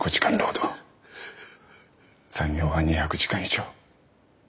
残業は２００時間以上。